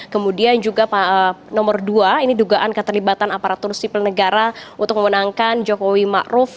kemudian juga nomor dua ini dugaan keterlibatan aparatur sipil negara untuk memenangkan jokowi ma'ruf